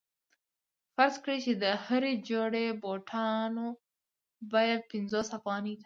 فرض کړئ چې د هرې جوړې بوټانو بیه پنځوس افغانۍ ده